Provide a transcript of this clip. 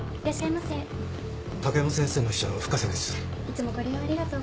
いつもご利用ありがとうございます。